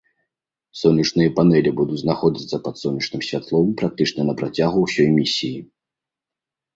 Сонечныя панэлі будуць знаходзіцца пад сонечным святлом практычна на працягу ўсёй місіі.